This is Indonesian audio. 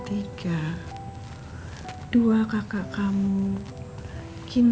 mami harus berjuang